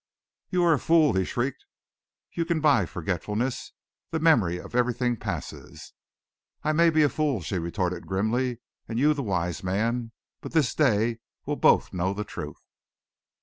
"You are a fool!" he shrieked. "You can buy forgetfulness! The memory of everything passes." "I may be a fool," she retorted grimly, "and you the wise man; but this day we'll both know the truth."